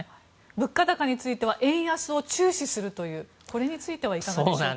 物価高については円安を注視するというこれについてはいかがでしょうか。